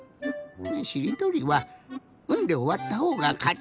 しりとりは「ん」でおわったほうがかち！